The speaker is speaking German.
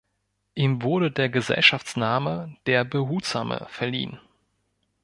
Ihm wurde der Gesellschaftsname "der Behutsame" verliehen.